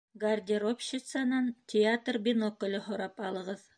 Гардеробщицанан театр бинокле һорап алығыҙ